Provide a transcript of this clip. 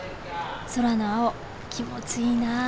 空の青気持ちいいなあ。